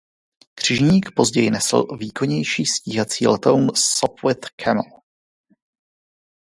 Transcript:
Křižník později nesl výkonnější stíhací letoun Sopwith Camel.